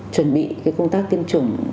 chuẩn bị công tác tiêm chủng